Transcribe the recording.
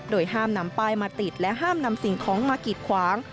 ห้ามนำป้ายมาติดและห้ามนำสิ่งของมากีดขวาง